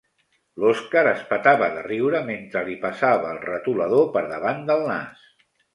L'Oskar es petava de riure mentre li passava el retolador per davant del nas.